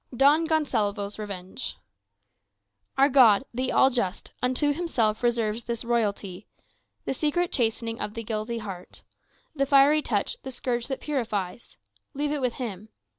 Don Gonsalvo's Revenge "Our God, the all just, Unto himself reserves this royalty, The secret chastening of the guilty heart; The fiery touch, the scourge that purifies Leave it with him.